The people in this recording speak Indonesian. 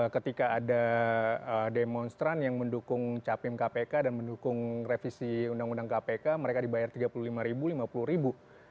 ketika ada demonstran yang mendukung capim kpk dan mendukung revisi undang undang kpk mereka dibayar tiga puluh lima ribu lima puluh ribu